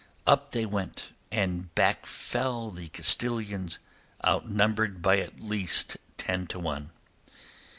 Up they went, and back fell the Castilians, outnumbered by at least ten to one.